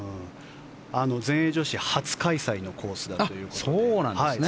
全英女子初開催のコースだということで。